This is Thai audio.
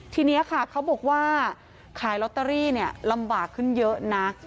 ทีนี้ค่ะเขาบอกว่าขายลอตเตอรี่เนี่ยลำบากขึ้นเยอะนะ